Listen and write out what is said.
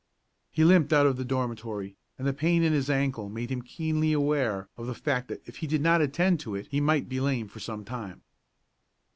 He limped out of the dormitory, and the pain in his ankle made him keenly aware of the fact that if he did not attend to it he might be lame for some time.